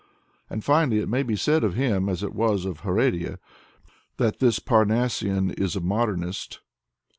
And finally, it may be said of him, as it was of H6redia, that this Parnassian is a modernist.